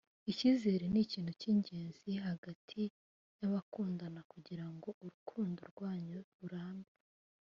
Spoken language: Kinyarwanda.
Icyizere ni ikintu cy’ingenzi hagati y’abakundana kugira ngo urukundo rwanyu rurambe